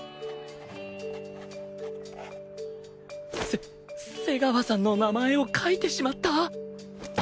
せ瀬川さんの名前を書いてしまった！